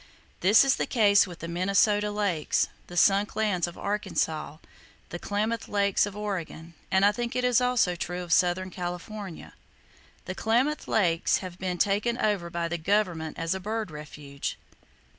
This is the case with the Minnesota Lakes, the Sunk Lands of Arkansas, the Klamath Lakes of Oregon, and I think it is also true of southern California. The Klamath Lakes have been taken over by the Government as a bird refuge.